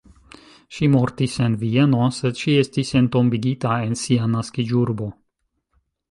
Ŝi mortis en Vieno, sed ŝi estis entombigita en sia naskiĝurbo.